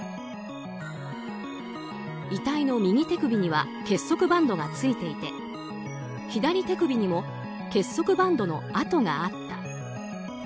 遺体の右手首には結束バンドがついていて左手首にも結束バンドの跡があった。